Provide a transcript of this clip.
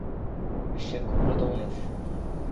বিশ্বের ক্ষুদ্রতম মানুষ।